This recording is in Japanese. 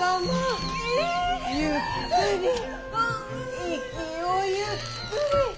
息をゆっくり。